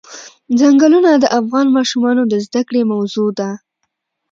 ځنګلونه د افغان ماشومانو د زده کړې موضوع ده.